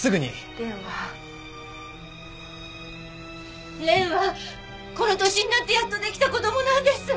蓮は蓮はこの年になってやっと出来た子供なんです。